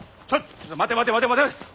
ちょっ待て待て待て待て。